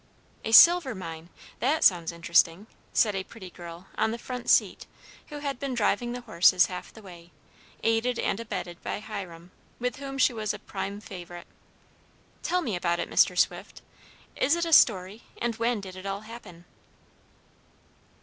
"A silver mine! That sounds interesting," said a pretty girl on the front seat, who had been driving the horses half the way, aided and abetted by Hiram, with whom she was a prime favorite. "Tell me about it, Mr. Swift. Is it a story, and when did it all happen?"